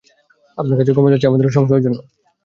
আপনার কাছে ক্ষমা চাচ্ছি আমাদের সংশয়ের জন্য!